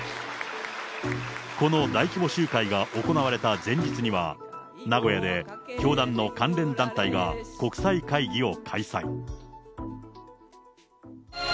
この大規模集会が行われた前日には、名古屋で教団の関連団体が国際会議を開催。